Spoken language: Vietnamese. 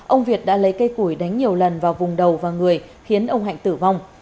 ông việt đã lấy cây củi đánh nhiều lần vào vùng đầu và người khiến ông hạnh tử vong